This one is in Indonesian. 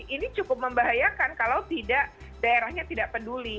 ini cukup membahayakan kalau tidak daerahnya tidak peduli